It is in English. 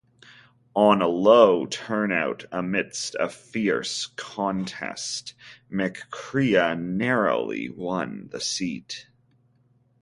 On a low turnout amidst a fierce contest McCrea narrowly won the seat.